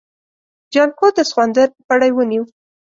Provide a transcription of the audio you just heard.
جانکو د سخوندر پړی ونيو.